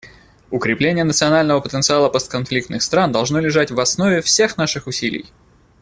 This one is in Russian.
Укрепление национального потенциала постконфликтных стран должно лежать в основе всех наших усилий.